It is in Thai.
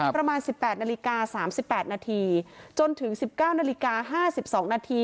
ประมาณ๑๘นาฬิกา๓๘นาทีจนถึง๑๙นาฬิกา๕๒นาที